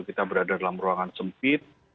kita berada dalam ruangan sempit